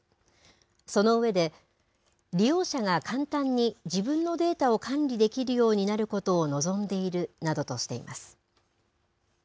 その上で、利用者が簡単に自分のデータを管理できるようになることを望んでいるなどとしています。